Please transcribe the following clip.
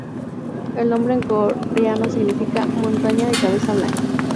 El nombre en coreano significa "montaña de cabeza blanca".